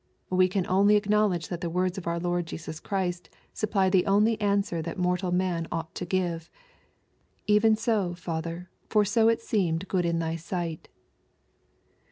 We can only acknowledge that the words of our Lord Jesus Christ supply the only answer that mortal man ought to give :" Even so. Father, for so it seemed good in thy sight."